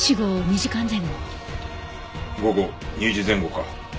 午後２時前後か。